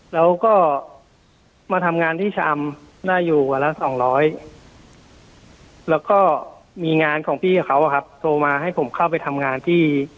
แล้วก็มาทำงานที่ชะอำน่าอยู่วันละ๒๐๐แล้วก็มีงานของพี่เขาโทรมาให้ผมเข้าไปทำงานที่